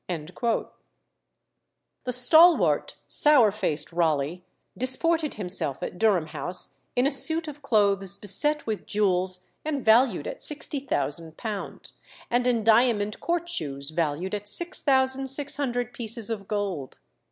The stalwart, sour faced Raleigh disported himself at Durham House in a suit of clothes beset with jewels and valued at sixty thousand pounds, and in diamond court shoes valued at six thousand six hundred pieces of gold.